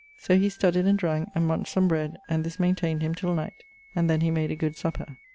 So he studied and dranke, and munched some bread: and this maintained him till night; and then he made a good supper.